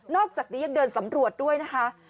อกจากนี้ยังเดินสำรวจด้วยนะคะ